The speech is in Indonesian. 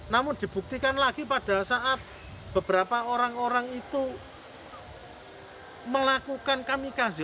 namun dibuktikan lagi pada saat beberapa orang orang itu melakukan kamikasi